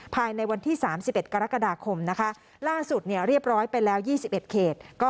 ภายในวันที่๓๑กรกฎาคมนะคะล่าสุดเรียบร้อยไปแล้ว๒๑เขต